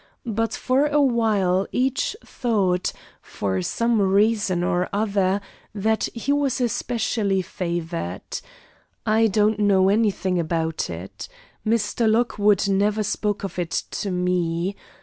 But for a while each thought, for some reason or other, that he was especially favored. I don't know anything about it. Mr. Lockwood never spoke of it to me.